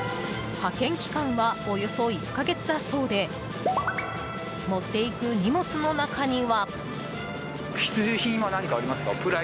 派遣期間はおよそ１か月だそうで持っていく荷物の中には。